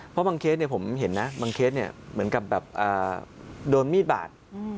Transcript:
เพราะบางเคสผมเห็นนะบางเคสเหมือนกับแบบโดนมีดบาด